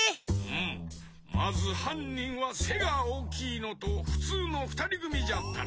まずはんにんはせがおおきいのとふつうのふたりぐみじゃったな？